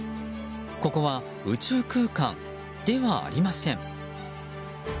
ここは宇宙空間ではありません。